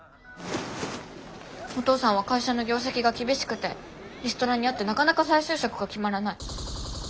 お父さんは会社の業績が厳しくてリストラに遭ってなかなか再就職が決まらない。